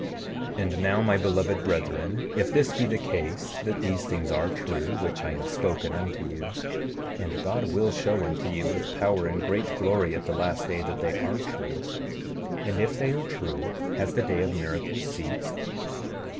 7:35 And now, my beloved brethren, if this be the case that these things are true which I have spoken unto you, and God will show unto you, with power and great glory at the last day, that they are true, and if they are true has the day of miracles ceased?